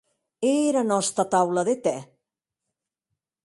E era nòsta taula de tè?